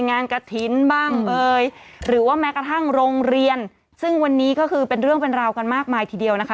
กระถิ่นบ้างเอ่ยหรือว่าแม้กระทั่งโรงเรียนซึ่งวันนี้ก็คือเป็นเรื่องเป็นราวกันมากมายทีเดียวนะคะ